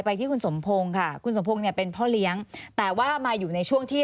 ที่คุณสมพงศ์ค่ะคุณสมพงศ์เนี่ยเป็นพ่อเลี้ยงแต่ว่ามาอยู่ในช่วงที่